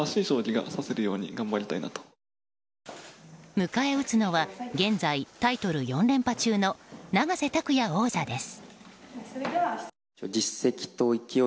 迎え撃つのは現在、タイトル４連覇中の永瀬拓矢王座です。